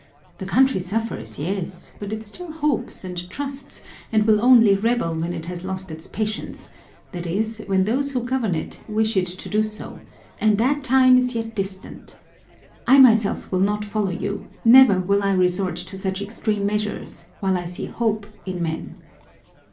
The country suffers, yes, but it still hopes and trusts and will only rebel when it has lost its patience, that is, when those who govern it wish it to do so, and that time is yet distant. I myself will not follow you, never will I resort to such extreme measures while I see hope in men."